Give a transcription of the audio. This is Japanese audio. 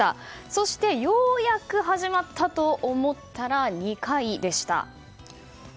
そしてようやく始まったと思ったら２回でした。